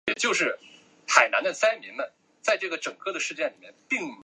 上级农会以其下级农会为会员。